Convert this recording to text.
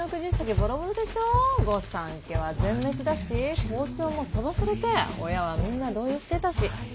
ボロボロでしょ御三家は全滅だし校長も飛ばされて親はみんな動揺してたし。